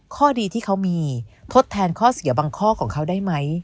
ข้อดีที่เขามีทดแทนข้อเสียบางข้อของเขาได้ไหม